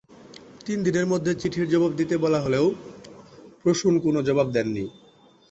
তিন দিনের মধ্যে চিঠির জবাব দিতে বলা হলেও প্রসূন কোনো জবাব দেননি।